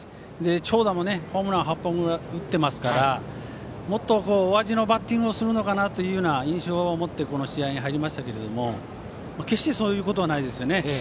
長打も、ホームランを８本打っていますからもっと大味のバッティングをする印象を持ってこの試合に入りましたけども決してそういうことはないですね。